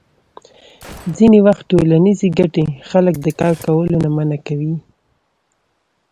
ځینې وخت ټولنیزې ګټې خلک د کار کولو نه منع کوي.